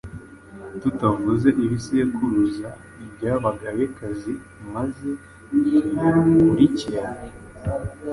tutavuze ibisekururuza by' Abagabekazi, maze tuyakurikiranye,